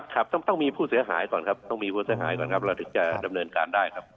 ครับต้องมีผู้เสียหายก่อนครับเราถึงจะดำเนินการได้ครับ